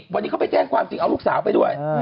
วันนี้เขาไปแจ้งความจริงเอาลูกสาวไปด้วย